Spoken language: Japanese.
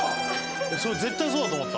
絶対そうだと思った。